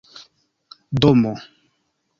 domo